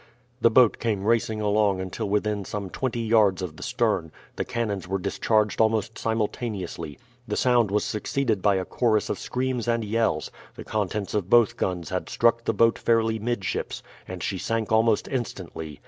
The boat came racing along until when within some twenty yards of the stern, the cannons were discharged almost simultaneously. The sound was succeeded by a chorus of screams and yells; the contents of both guns had struck the boat fairly midships, and she sank almost instantly.